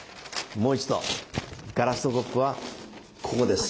もう一度ガラスのコップはここです。